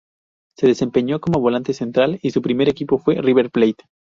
Se desempeñó como volante central y su primer equipo fue River Plate.